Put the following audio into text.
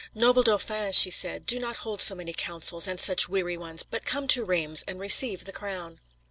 "Noble Dauphin," she said, "do not hold so many councils, and such weary ones, but come to Reims and receive the crown."